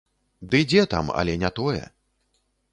Ды дзе там, але не тое.